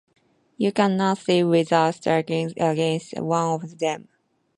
You cannot stir without striking against one of them.